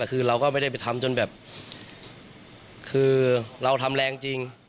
คือเราก็ไม่ได้ไปทำจนแบบคือเราทำแรงจริง